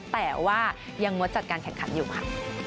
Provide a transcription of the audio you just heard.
แต่ว่ายังงดจัดการแข่งขันอยู่ค่ะ